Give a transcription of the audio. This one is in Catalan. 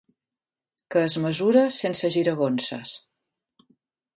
Que es mesura sense giragonses.